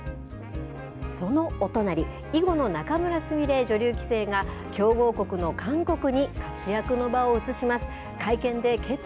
そのお隣、囲碁の仲邑菫女流棋聖が強豪国の韓国に活躍の場を移します。